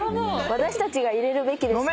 私たちが入れるべきでした。